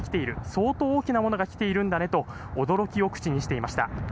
相当、大きなものが来ているんだねと驚きを口にしていました。